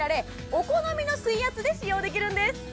お好みの水圧で使用できるんです